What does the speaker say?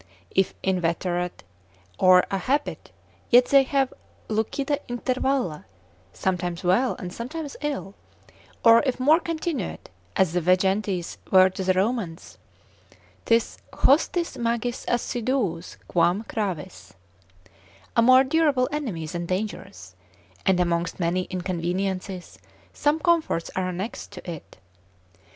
If inveterate, or a habit, yet they have lucida intervalla, sometimes well, and sometimes ill; or if more continuate, as the Vejentes were to the Romans, 'tis hostis magis assiduus quam gravis, a more durable enemy than dangerous: and amongst many inconveniences, some comforts are annexed to it.